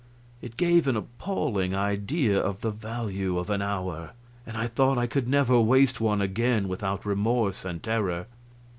It gave an appalling idea of the value of an hour, and I thought I could never waste one again without remorse and terror.